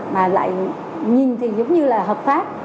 mà lại nhìn thì giống như là hợp pháp